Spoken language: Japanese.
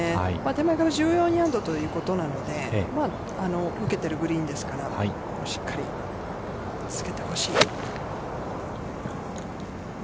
手前から１４ヤードということなので、受けているグリーンですから、しっかりつけてほしい。